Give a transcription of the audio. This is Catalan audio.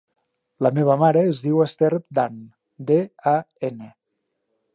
La meva mare es diu Esther Dan: de, a, ena.